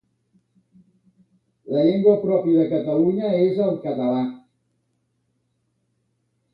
La llengua pròpia de Catalunya és el català.